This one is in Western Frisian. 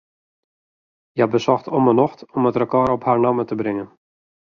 Hja besocht om 'e nocht om it rekôr op har namme te bringen.